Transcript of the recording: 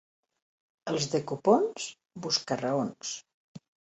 Els de Copons, busca-raons.